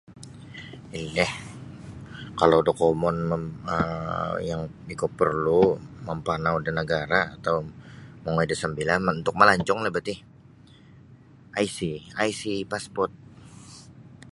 Ililih kalau dokumon um yang ikou perlu' mampanau da nagara' atau mongoi da sambila' untuk malancong no biti IC IC pasport.